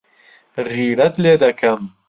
غیرەت لێ دەکەم.